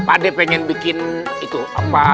ade pengen bikin itu apa